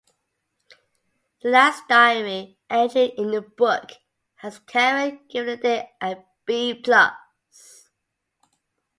The last diary entry in the book has Karen giving the day a B-plus.